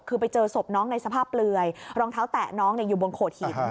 คือไปเจอศพน้องในสภาพเปลือยรองเท้าแตะน้องอยู่บนโขดหิน